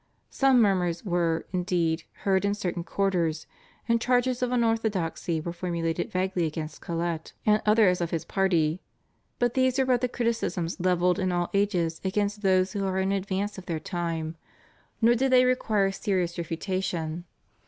Some murmurs were, indeed, heard in certain quarters, and charges of unorthodoxy were formulated vaguely against Colet and others of his party, but these were but the criticisms levelled in all ages against those who are in advance of their time, nor do they require serious refutation.